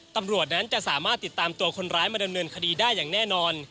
ตำรวจนั้นจะสามารถติดตามตัวคนร้ายมาดำเนินคดีได้อย่างแน่นอน